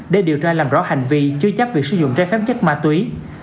để điều tra làm rõ hành vi chưa chấp việc sử dụng rai phép chất ma túy